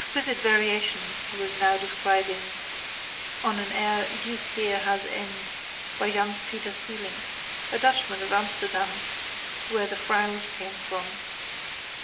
Exquisite variations he was now describing on an air Youth here has End by Jans Pieter Sweelinck, a Dutchman of Amsterdam where the frows come from.